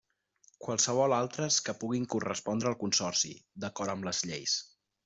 Qualssevol altres que puguin correspondre al Consorci, d'acord amb les lleis.